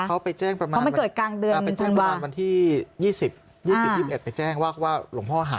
เขาไปแจ้งประมาณวันที่๒๐๒๑ไปแจ้งว่าหลวงพ่อหาย